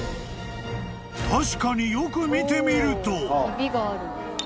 ［確かによく見てみると］